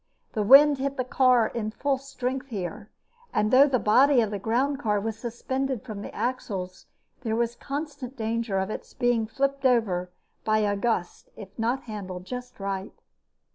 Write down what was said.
The wind hit the car in full strength here and, though the body of the groundcar was suspended from the axles, there was constant danger of its being flipped over by a gust if not handled just right.